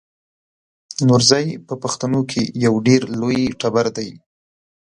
نورزی په پښتنو کې یو ډېر لوی ټبر دی.